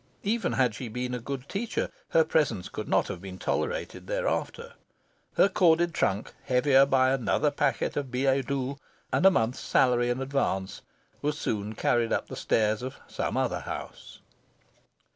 Even had she been a good teacher, her presence could not have been tolerated thereafter. Her corded trunk, heavier by another packet of billets doux and a month's salary in advance, was soon carried up the stairs of some other house.